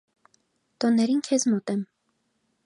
տոներին քեզ մոտ եմ: